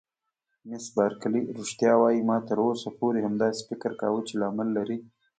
مس بارکلي: رښتیا وایې؟ ما تر اوسه پورې همداسې فکر کاوه چې لامل لري.